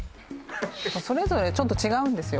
それぞれちょっと違うんですよ